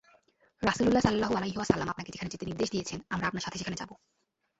রাসূলুল্লাহ সাল্লাল্লাহু আলাইহি ওয়াসাল্লাম আপনাকে যেখানে যেতে নির্দেশ দিয়েছেন আমরা আপনার সাথে সেখানে যাব।